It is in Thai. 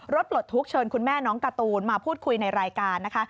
ปลดทุกข์เชิญคุณแม่น้องการ์ตูนมาพูดคุยในรายการนะคะ